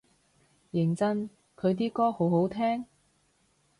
認真佢啲歌好好聽？